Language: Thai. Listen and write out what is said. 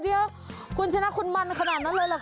เดี๋ยวคุณชนะคุณมันขนาดนั้นเลยเหรอค